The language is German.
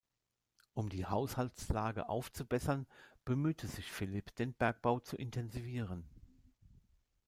Um die Haushaltslage aufzubessern, bemühte sich Philipp den Bergbau zu intensivieren.